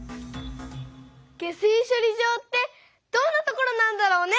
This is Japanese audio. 下水しょり場ってどんなところなんだろうね？